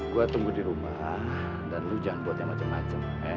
gue tunggu di rumah dan lu jangan buat yang macam macam